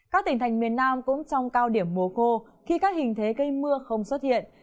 các tỉnh thành miền nam cũng trong cao điểm mùa khô khi các hình thế gây mưa không xuất hiện